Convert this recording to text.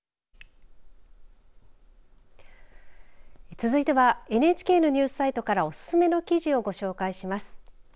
続いてはＮＨＫのニュースサイトからおすすめの記事をご紹介します。